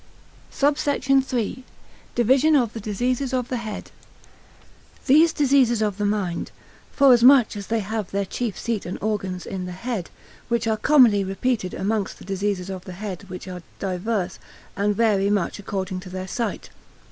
SUBSECT. III.—Division of the Diseases of the Head. These diseases of the mind, forasmuch as they have their chief seat and organs in the head, which are commonly repeated amongst the diseases of the head which are divers, and vary much according to their site.